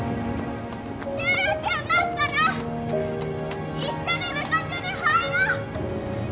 中学んなったら一緒に部活に入ろう！